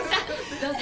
どうぞ。